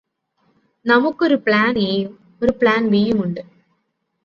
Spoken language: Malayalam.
നമുക്കൊരു ഒരു പ്ലാൻ എയും ഒരു പ്ലാൻ ബിയും ഉണ്ട്